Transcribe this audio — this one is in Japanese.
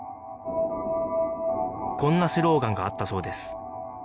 こんなスローガンがあったそうです